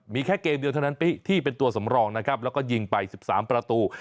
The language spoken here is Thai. มีแค่เกมเดียวเท่านั้นที่เป็นตัวสำรองนะครับแล้วก็ยิงไป๑๓ประตู